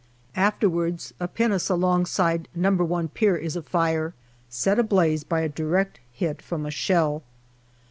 Afterwards a pinnace alongside No. i Pier is afire, set ablaze by a direct hit from a shell.